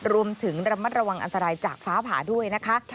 รวมถึงระมัดระวังอันตรายจากฟ้าผ่าด้วยนะคะ